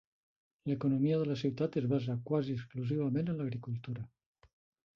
L'economia de la ciutat es basa quasi exclusivament en l'agricultura.